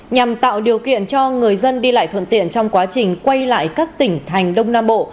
nhằm tạo điều kiện cho người dân đi lại thuận tiện trong quá trình quay lại các tỉnh thành đông nam bộ